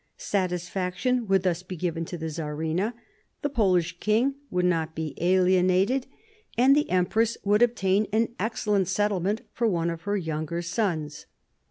Satisfaction would thus be given to the Czarina, the Polish king would not be alienated, and the empress 128 MARIA THERESA chap, vi would obtain an excellent settlement for one of her younger sons.